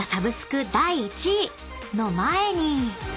［の前に］